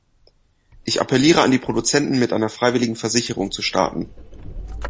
Ich appelliere an die Produzenten, mit einer freiwilligen Versicherung zu starten.